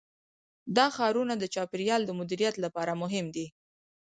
دا ښارونه د چاپیریال د مدیریت لپاره مهم دي.